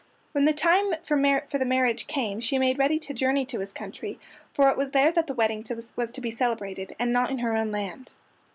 When the time for the marriage came she made ready to journey to his country, for it was there that the wedding was to be celebrated, and not in her own land.